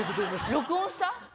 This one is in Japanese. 録音した？